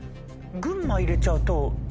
群馬入れちゃうと。